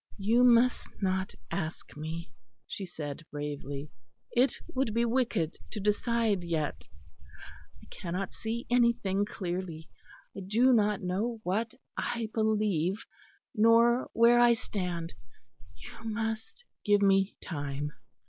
"You must not ask me," she said, bravely. "It would be wicked to decide yet. I cannot see anything clearly. I do not know what I believe, nor where I stand. You must give me time."